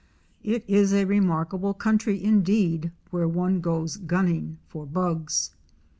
It isa remarkable country indeed where one goes gunning for bugs!